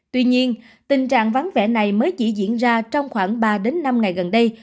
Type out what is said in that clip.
tuy nhiên tình trạng vắng vẻ này mới chỉ diễn ra trong khoảng ba năm ngày gần đây